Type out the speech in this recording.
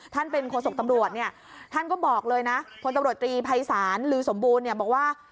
เป็นโฆษกตำรวจเนี่ยท่านก็บอกเลยนะพลตำรวจตรีภัยศาลลือสมบูรณ์เนี่ยบอกว่า